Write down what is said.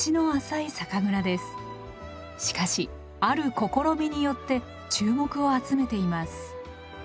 しかしある試みによって注目を集めています。